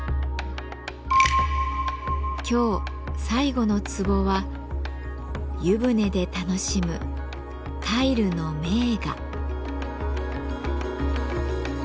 今日最後の壺は「湯船で楽しむタイルの名画」。